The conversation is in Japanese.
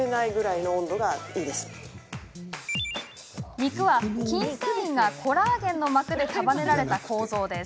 肉は、筋線維がコラーゲンの膜で束ねられた構造です。